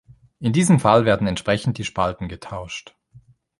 In diesem Fall werden entsprechend die Spalten getauscht.